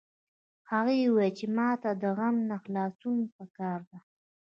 هغې وویل چې ما ته د غم نه خلاصون په کار ده